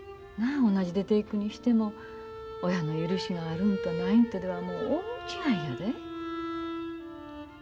同じ出ていくにしても親の許しがあるんとないんとでは大違いやで。